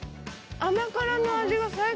甘辛の味が最高。